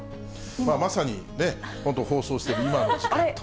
まさにね、本当に放送している、今の時間と。